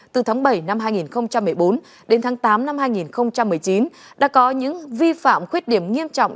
từ tháng bảy năm hai nghìn một mươi bốn đến tháng tám năm hai nghìn một mươi chín đã có những vi phạm khuyết điểm nghiêm trọng